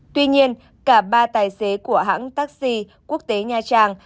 tuy nhiên cả ba tài xế của hãng taxi quốc tế nha trang